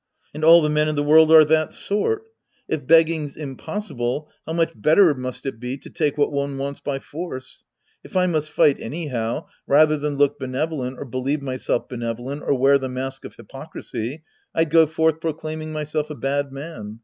And all the men in the world are that sort. If begging's impossible, how much better must it be to take what one wants by force. If I must fight anyhow, rather than look benevolent or believe myself benevolent or wear the mask of hypocrisy, I'd go forth proclaiming myself a bad man.